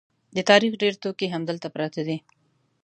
د تاریخ ډېر توکي همدلته پراته دي.